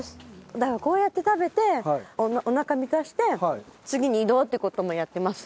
だからこうやって食べておなか満たして次に移動って事もやってます。